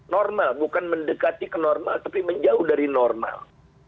normal bukan mendekati ke normal tapi menjauh dari normal